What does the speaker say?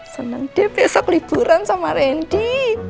seneng deh besok liburan sama ren di